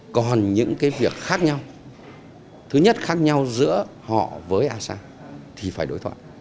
còn những cái việc khác nhau thứ nhất khác nhau giữa họ với asean thì phải đối thoại